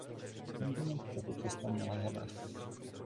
Kam by nás tato cesta měla zavést?